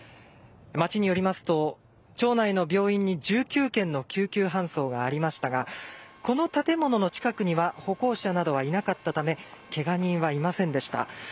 町によりますと、町内の病院に１９件の救急搬送がありましたがこの建物の近くには歩行者などはいなかったためケガ人はいませんでした。